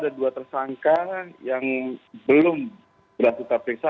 ada dua tersangka yang belum berhasil terperiksa